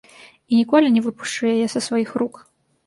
І ніколі не выпушчу яе са сваіх рук.